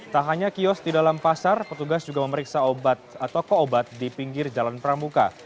tak hanya kios di dalam pasar petugas juga memeriksa toko obat di pinggir jalan pramuka